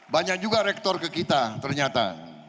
banyak juga rektor ke kita ternyata